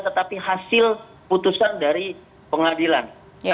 tetapi hasil putusan dari pengadilan